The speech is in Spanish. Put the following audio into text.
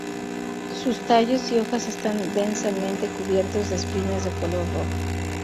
Sus tallos y hojas están densamente cubiertos de espinas de color rojo.